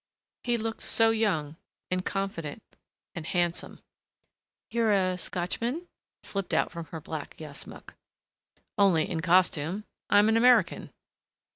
He looked so young and confident and handsome.... "You are a Scotchman?" slipped out from her black yashmak. "Only in costume. I am an American."